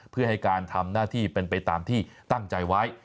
เพื่อให้การทำหน้าที่เป็นไปตามที่ตั้งใจไว้